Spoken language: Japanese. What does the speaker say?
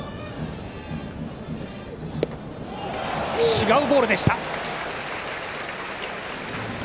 違うボールでした。